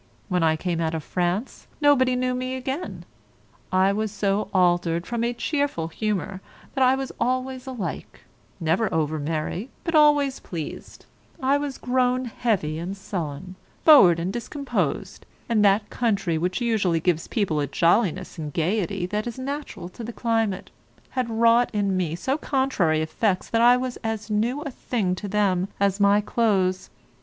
When I came out of France, nobody knew me again. I was so altered, from a cheerful humour that was always alike, never over merry but always pleased, I was grown heavy and sullen, froward and discomposed; and that country which usually gives people a jolliness and gaiety that is natural to the climate, had wrought in me so contrary effects that I was as new a thing to them as my clothes.